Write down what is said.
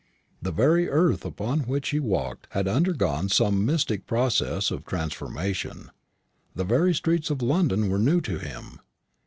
The very earth upon which he walked had undergone some mystic process of transformation; the very streets of London were new to him.